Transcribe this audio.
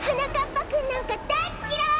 ぱくんなんかだいっきらい！